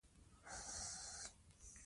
د اسیا زړه باید روغ او پیاوړی وي.